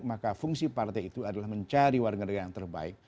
maka fungsi partai itu adalah mencari warga negara yang terbaik